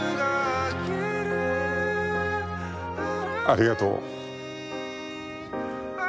ありがとう。